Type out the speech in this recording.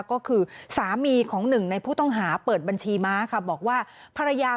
ก็คือสามีของหนึ่งในผู้ต้องหาเปิดบัญชีม้าค่ะบอกว่าภรรยา